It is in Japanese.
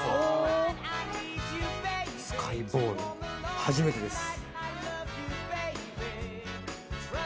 スカイボール初めてです。